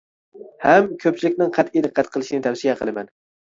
ھەم كۆپچىلىكنىڭ قەتئىي دىققەت قىلىشىنى تەۋسىيە قىلىمەن.